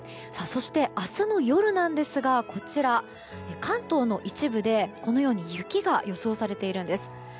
そして、明日の夜ですがこちら、関東の一部で雪が予想されているんです。